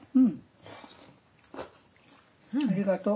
ありがとう。